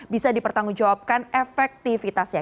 bisa dipertanggungjawabkan efektivitasnya